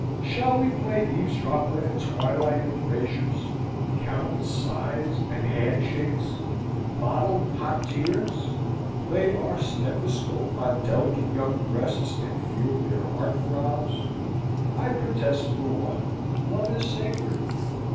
Shall we play eavesdropper at twilight embrasures, count sighs and hand shakes, bottle hot tears: lay our stethoscope on delicate young breasts, and feel their heart throbs? I protest, for one, love is sacred.